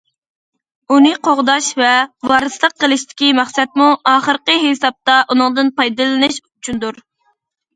ئۇنى قوغداش ۋە ۋارىسلىق قىلىشتىكى مەقسەتمۇ ئاخىرقى ھېسابتا ئۇنىڭدىن پايدىلىنىش ئۈچۈندۇر.